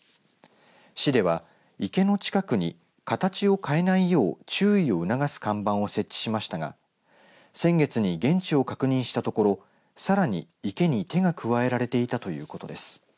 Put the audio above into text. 市では、池の近くに形を変えないよう注意を促す看板を設置しましたが先月に現地を確認したところさらに池に手が加えられていたということです。